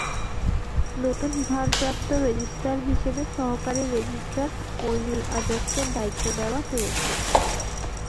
নতুন ভারপ্রাপ্ত রেজিস্ট্রার হিসেবে সহকারী রেজিস্ট্রার মইনুল আজাদকে দায়িত্ব দেওয়া হয়েছে।